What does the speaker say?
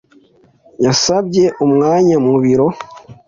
Yasabye umwanya mu biro.